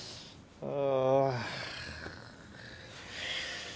ああ。